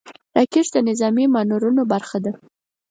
راکټ د نظامي مانورونو برخه ده